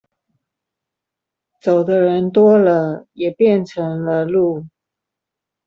走的人多了，也便成了路